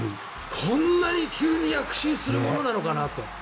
こんなに急に躍進するものなのかなと。